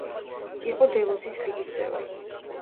იყო დელოსის ლიგის წევრი.